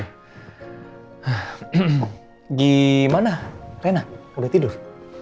hah gimana enak udah tidur